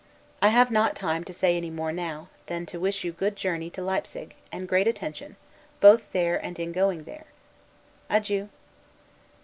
I have not time to say any more now, than to wish you good journey to Leipsig; and great attention, both there and in going there. Adieu.